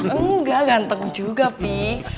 enggak ganteng juga pi